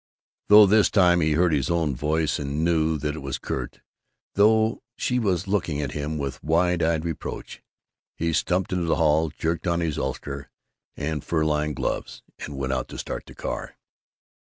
Though this time he heard his own voice and knew that it was curt, though she was looking at him with wide eyed reproach, he stumped into the hall, jerked on his ulster and fur lined gloves, and went out to start the car.